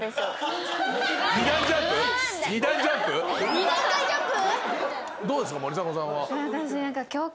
２段階ジャンプ！？